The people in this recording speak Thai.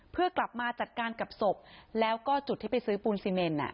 เพื่อกลับมาจัดการกับศพแล้วก็จุดที่ไปซื้อปูนซีเมน